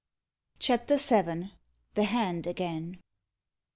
CHAPTER VII THE HAND AGAIN!